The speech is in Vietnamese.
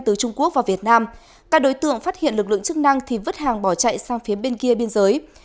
từ trung quốc vào việt nam các đối tượng phát hiện lực lượng chức năng thì vứt hàng bỏ chạy sang phía bên kia biên giới